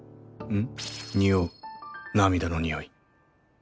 ん？